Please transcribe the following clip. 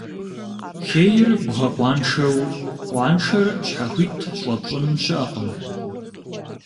Хейр бгъэкъуаншэу, къуаншэр щхьэхуит щӀэпщӀын щыӀэкъым.